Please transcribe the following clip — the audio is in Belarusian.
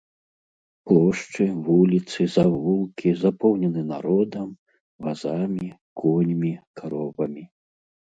Плошчы, вуліцы, завулкі запоўнены народам, вазамі, коньмі, каровамі.